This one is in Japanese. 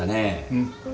うん。